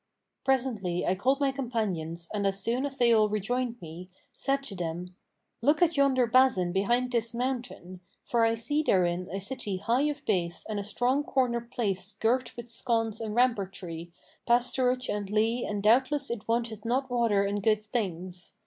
Presently I called my companions and as soon as they all rejoined me, said to them 'Look at yonder basin behind this mountain; for I see therein a city high of base and a strong cornered place girt with sconce and rampartry, pasturage and lea and doubtless it wanteth not water and good things.